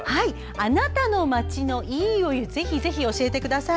あなたの街のいいお湯をぜひ、ぜひ教えてください。